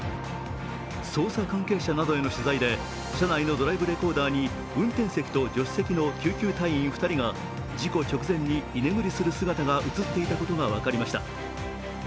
捜査関係者などへの取材で車内のドライブレコーダーに運転席と助手席の救急隊員２人が事故直前に居眠りする姿が映っていたことが分かりました。